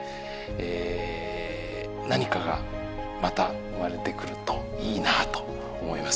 え何かがまた生まれてくるといいなあと思います。